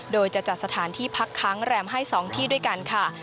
โดยจะจัดสถานที่พักค้างแรมให้๒ที่ด้วยกันค่ะ